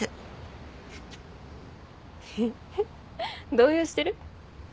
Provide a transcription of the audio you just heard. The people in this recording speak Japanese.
動揺してる？